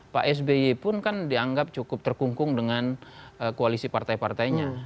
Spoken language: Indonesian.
pak sby pun kan dianggap cukup terkungkung dengan koalisi partai partainya